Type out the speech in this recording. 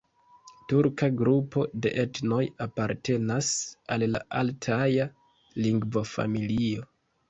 Turka grupo de etnoj apartenas al la altaja lingvofamilio.